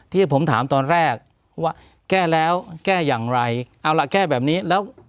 ที่ผมถามตอนแรกว่าแก้แล้วแก้อย่างไรเอาล่ะแก้แบบนี้แล้ว